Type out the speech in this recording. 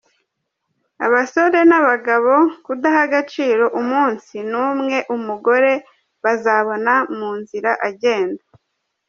abasore nabagabo kudaha agaciro umunsi numwe umugore bazabona mu nzira agenda.